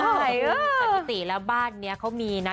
สถิติระบานนี้ก็มีนะ